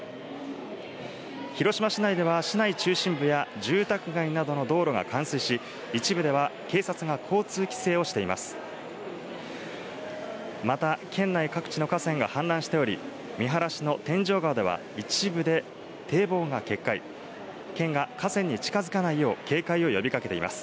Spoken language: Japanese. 広島市内では市内中心部や住宅街などの道路が冠水し、一部では警察が交通規制をしています。